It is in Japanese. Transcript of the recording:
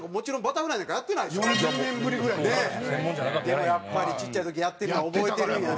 でもやっぱりちっちゃい時やってるから覚えてるんやね。